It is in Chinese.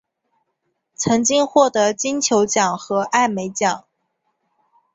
曾经获得金球奖和艾美奖。